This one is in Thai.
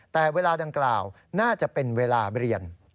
แต่เวลาดังกล่าวน่าจะเป็นเวลาเรียน